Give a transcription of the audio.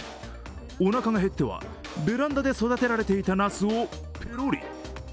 おなかが減っては、ベランダで育てられていたなすをペロリ。